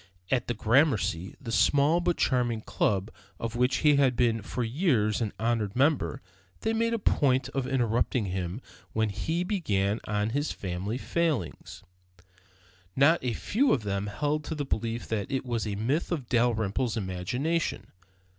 At the Gramercy, the small but charming club of which he had been for years an honored member, they made a point of interrupting him when he began on his family failing. Not a few of them held to the belief that it was a myth of Dalrymple's imagination.